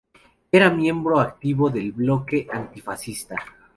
Era miembro activo del Bloque Antifascista.